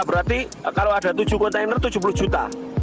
berarti kalau ada tujuh kontainer tujuh puluh juta